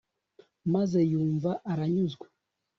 maze yumva aranyuzwe